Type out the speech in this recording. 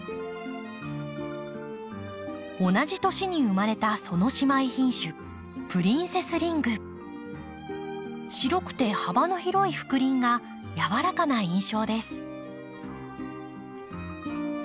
同じ年に生まれたその姉妹品種白くて幅の広い覆輪が柔らかな印象です。